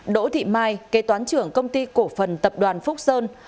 đỗ thị mai kế toán trưởng công ty cổ phần tập đoàn phúc sơn